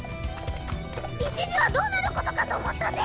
一時はどうなることかと思ったぜ。